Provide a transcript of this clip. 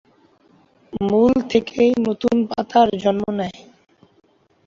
মূল থেকেই নতুন পাতার জন্ম নেয়।